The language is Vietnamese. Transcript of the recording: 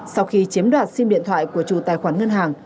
sau khi chiếm đoạt sim điện thoại của chủ tài khoản ngân hàng